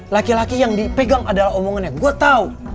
laki laki yang dipegang adalah omongannya gua tau